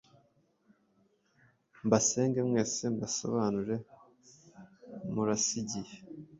Mbasenge mwese, Mbasobanure murasigiye